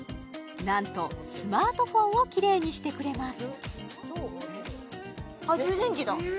なんとスマートフォンをキレイにしてくれます